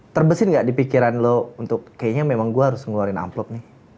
terbesin gak di pikiran lo untuk kayaknya memang gue harus ngeluarin amplop nih